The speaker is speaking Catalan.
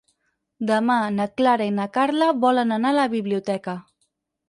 Demà na Clara i na Carla volen anar a la biblioteca.